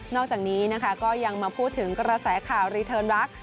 อกจากนี้นะคะก็ยังมาพูดถึงกระแสข่าวรีเทิร์นรัก